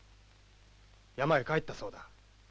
山へ帰ったそうだ。